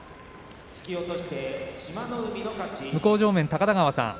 向正面、高田川さん